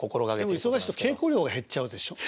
でも忙しいと稽古量が減っちゃうでしょ。